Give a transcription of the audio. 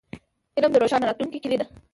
علم د روښانه راتلونکي کیلي ده.